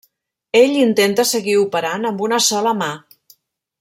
Ell intenta seguir operant amb una sola mà.